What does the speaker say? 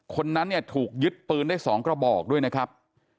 คนนั้นถูกยึดปืนได้สองกระบอกด้วยนะครับ